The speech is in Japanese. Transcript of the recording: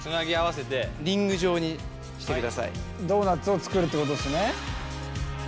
ドーナツを作るってことですね。